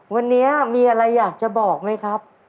วันนี้มีอะไรอยากจะบอกไหมครับ